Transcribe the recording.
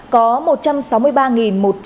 có một trăm sáu mươi ba một trăm bảy mươi bốn cam bóng